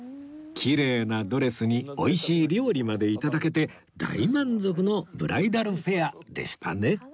きれいなドレスに美味しい料理まで頂けて大満足のブライダルフェアでしたね